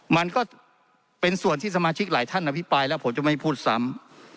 มันก็เป็นส่วนที่สมาชิกหลายท่านอภิปรายแล้วผมจะไม่พูดซ้ำ